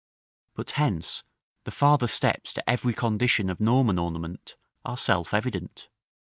But hence the farther steps to every condition of Norman ornament are self evident.